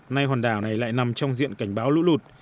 nay hòn đảo này lại nằm trong diện cảnh báo lũ lụt